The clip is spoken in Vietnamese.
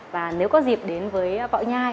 và nếu có dịp đến với võ nhai